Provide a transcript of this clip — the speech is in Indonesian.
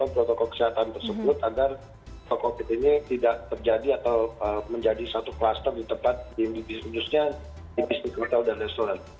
dan juga protokol kesehatan tersebut agar covid sembilan belas ini tidak terjadi atau menjadi satu kluster di tempat di bisnisnya di bisnis hotel dan restoran